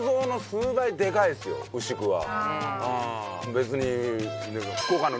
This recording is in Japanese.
別に。